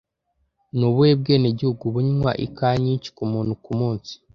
Ni ubuhe bwenegihugu bunywa ikawa nyinshi kumuntu kumunsi